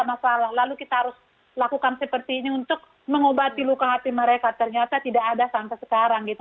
jadi saya berharap bahwa kita bisa melakukan hal hal seperti ini untuk mengubati luka hati mereka ternyata tidak ada sampai sekarang